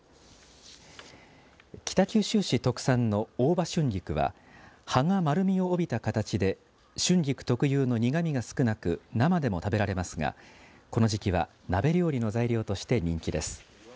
北九州市特産の大葉春菊は葉が丸みを帯びた形で春菊特有の苦みが少なく生でも食べられますがこの時期は鍋料理の材料として人気です。